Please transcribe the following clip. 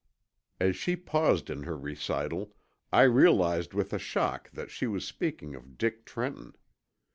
As she paused in her recital, I realized with a shock that she was speaking of Dick Trenton.